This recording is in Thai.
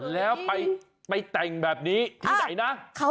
แล้วไปแต่งแบบนี้ที่ไหนนะ